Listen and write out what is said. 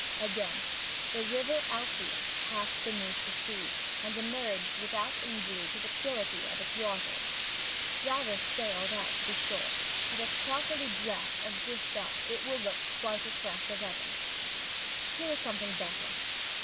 "Again. 'The river Alpheus passed beneath the sea, and emerged without injury to the purity of its waters.' Rather stale that, to be sure, but, if properly dressed and dished up, will look quite as fresh as ever. "Here is something better.